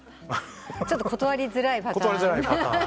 ちょっと断りづらいパターン？